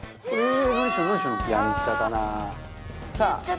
「やんちゃだな」